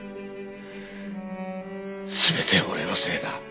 全て俺のせいだ。